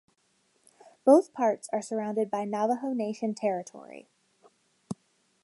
Both parts are surrounded by Navajo Nation territory.